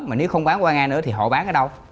mà nếu không bán qua nga nữa thì họ bán ở đâu